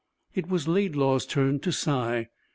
It was Laidlaw's turn to sigh.